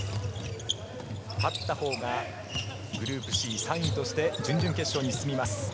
勝ったほうがグループＣ、３位として準々決勝に進みます。